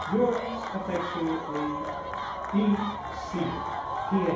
Yours affectionately, B. C.